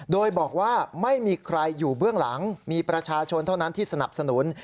โดยบอกว่าไม่มีใครอยู่เบื้องหลังมีประชาชนเท่านั้นที่สนับสนุน